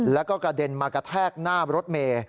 แล้วก็กระเด็นมากระแทกหน้ารถเมย์